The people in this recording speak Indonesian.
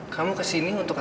kamu kesini untuk apa